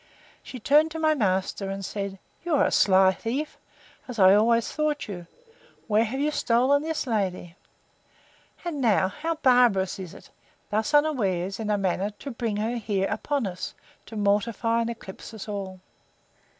She turned to my master, and said, You are a sly thief, as I always thought you. Where have you stolen this lady? And now, how barbarous is it, thus unawares, in a manner, to bring her here upon us, to mortify and eclipse us all?